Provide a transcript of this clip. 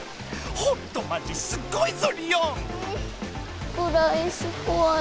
ほんとマジすっごいぞリオン！